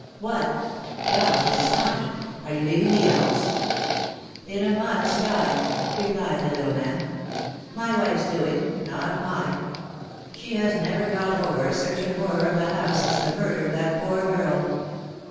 "What!" Giles was astonished. "Are you leaving The Elms?" "In a month's time," replied the little man. "My wife's doing, not mine. She has never got over a certain horror of the house since the murder of that poor girl.